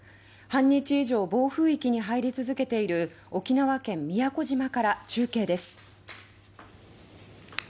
半日以上暴風域に入り続けている沖縄県・宮古島から中継です。